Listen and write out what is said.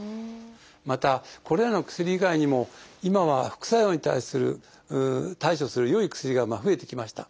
またこれらの薬以外にも今は副作用に対する対処する良い薬が増えてきました。